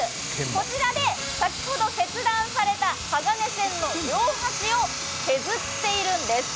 こちらで先ほど切断された鋼線の両端を削っているんです。